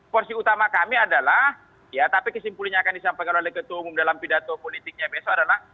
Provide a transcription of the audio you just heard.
porsi utama kami adalah ya tapi kesimpulannya akan disampaikan oleh ketua umum dalam pidato politiknya besok adalah